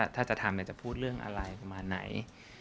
ถ้าจะทำจะพูดเรื่องอะไรประมาณไหน